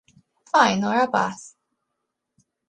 Faino, rapaz!